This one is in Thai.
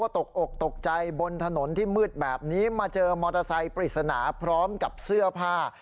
ตกอกตกใจบนถนนที่มืดแบบนี้มาเจอมอเตอร์ไซค์ปริศนาพร้อมกับเสื้อผ้า